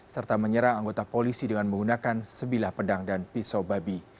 serta menyerang anggota polisi dengan menggunakan sebilah pedang dan pisau babi